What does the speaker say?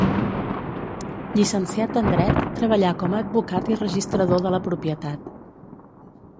Llicenciat en dret, treballà com a advocat i registrador de la propietat.